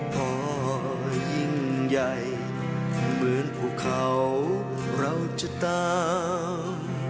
พ่อยิ่งใหญ่เหมือนพวกเขารัวจะตาม